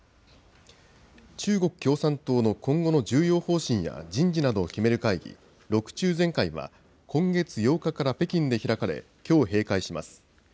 中国共産党の今後の重要方針や人事などを決める会議、６中全会は、今月８日から北京で開かれ、きょう閉会します。